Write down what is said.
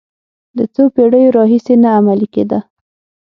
د څو پېړیو راهیسې نه عملي کېده.